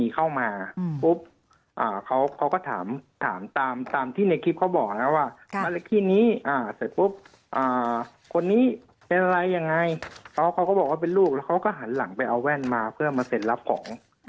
เขาก็ถามตามที่ในคลิปเขาบอกแล้วว่าเมล็ดคี่นี้คนนี้เป็นอะไรยังไงเขาก็บอกว่าเป็นลูกแล้วเขาก็หันหลังไปเอาแว่นมาเพื่อมาเสร็จรับของ